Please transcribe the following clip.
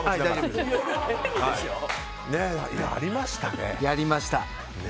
やりましたね。